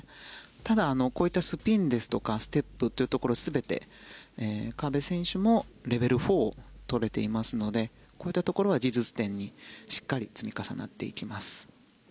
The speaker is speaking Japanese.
ただ、こういったスピンですとかステップといったところ全て、河辺選手もレベル４を取れていますのでこういったところは技術点にしっかり積み重なっていきます。